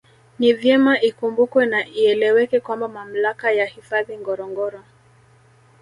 Ni vyema ikumbukwe na ieleweke kwamba Mamlaka ya hifadhi Ngorongoro